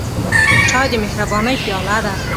چای د مهربانۍ پیاله ده.